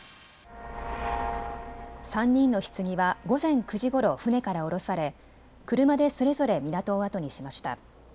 ３人のひつぎは午前９時ごろ船から降ろされ車でそれぞれ港をあとにしました。